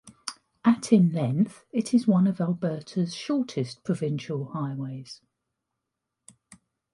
At in length, it is one of Alberta's shortest provincial highways.